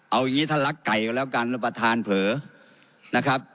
เอาอย่างนี้ท่านรักไก่ก็แล้วกันแล้วประธานเผลอนะครับ